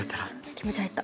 気持ち入った！